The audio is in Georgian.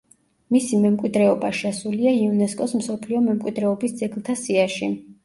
მისი მემკვიდრეობა შესულია იუნესკოს მსოფლიო მემკვიდრეობის ძეგლთა სიაში.